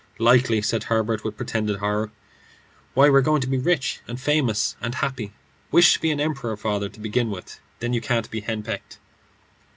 "Likely," said Herbert, with pretended horror. "Why, we're going to be rich, and famous and happy. Wish to be an emperor, father, to begin with; then you can't be henpecked."